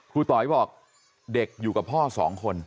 ต๋อยบอกเด็กอยู่กับพ่อสองคน